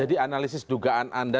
jadi analisis dugaan anda